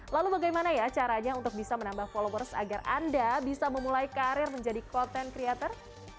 lalu bagaimana ya caranya untuk bisa menambah followers agar anda bisa memulai karir menjadi content creator